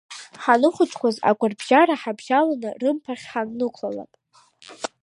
Ҳаныхәыҷқәаз агәарбжьара ҳабжьаланы рымԥахь ҳаннықәлалак…